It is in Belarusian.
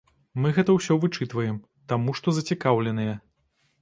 Мы гэта ўсё вычытваем, таму што зацікаўленыя.